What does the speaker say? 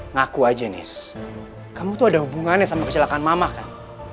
ngaku aja nih kamu tuh ada hubungannya sama kecelakaan mama kan